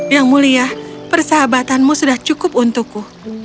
yang mulia persahabatanmu sudah cukup untukku